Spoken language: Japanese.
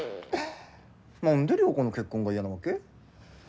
何で良子の結婚が嫌なわけ？